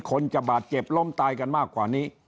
คนจะบาดเจ็บล้มตายกันมากกว่านี้